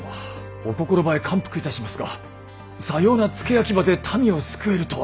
お心ばえ感服いたしますがさような付け焼き刃で民を救えるとは。